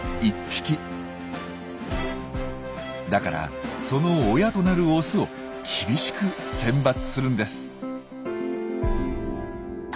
だからその親となるオスを厳しく選抜するんです。